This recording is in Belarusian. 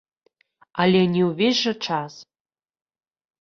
Але не ўвесь жа час.